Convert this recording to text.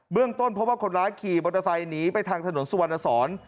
เบื้องต้นพบว่าคนร้ายขี่บริษัทหนีไปทางถนนสวรรณสร